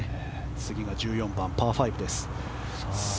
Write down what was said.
次が１４番、パー５です。